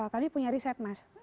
kami punya riset mas